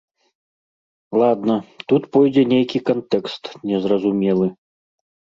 Ладна, тут пойдзе нейкі кантэкст не зразумелы.